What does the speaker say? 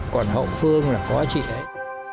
còn hậu phương là có chị ấy